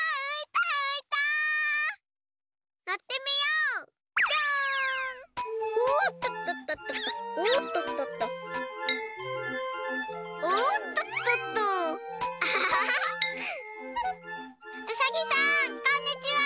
うさぎさんこんにちは！